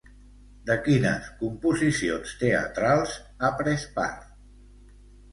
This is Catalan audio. De quines composicions teatrals ha pres part?